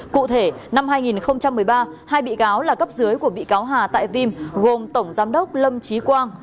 cụ thể năm hai nghìn một mươi ba hai bị cáo là cấp dưới của bị cáo hà tại vim gồm tổng giám đốc lâm trí quang